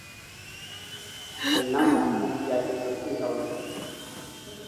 እናም ለአንተም ጥያቄ መልሱ ይኸው ነው፡፡